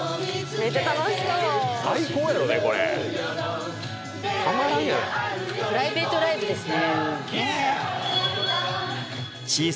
めちゃ楽しそう最高やろねこれたまらんやろプライベートライブですね